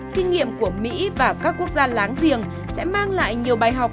kinh nghiệm của mỹ và các quốc gia láng giềng sẽ mang lại nhiều bài học